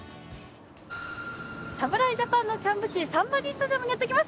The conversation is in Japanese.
侍ジャパンのキャンプ地サンマリンスタジアムにやってきました。